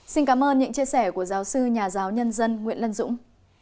xin cảm ơn những chia sẻ của giáo sư nhà giáo nhân dân nguyễn lân dũng